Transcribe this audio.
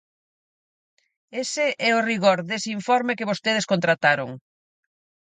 Ese é o rigor dese informe que vostedes contrataron.